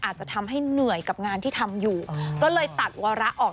อาจจะทำให้เหนื่อยกับงานที่ทำอยู่ก็เลยตัดวาระออก